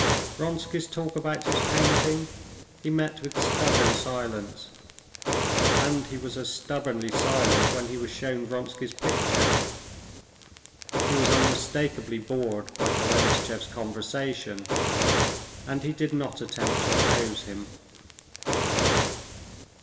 Vronsky's talk about his painting he met with stubborn silence, and he was as stubbornly silent when he was shown Vronsky's picture. He was unmistakably bored by Golenishtchev's conversation, and he did not attempt to oppose him.